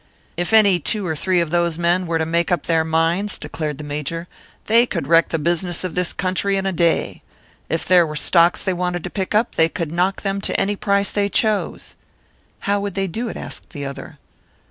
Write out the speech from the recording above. "If any two or three of those men were to make up their minds," declared the Major, "they could wreck the business of this country in a day. If there were stocks they wanted to pick up, they could knock them to any price they chose." "How would they do it?" asked the other.